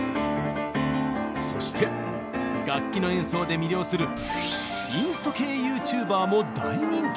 そして楽器の演奏で魅了する「インスト系ＹｏｕＴｕｂｅｒ」も大人気！